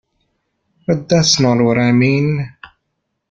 But that's not what I mean.